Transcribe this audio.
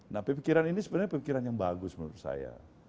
nah pemikiran ini sebenarnya pemikiran yang bagus menurut saya